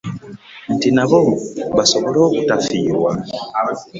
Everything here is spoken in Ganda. Nti nabo basobole obutafiirwa.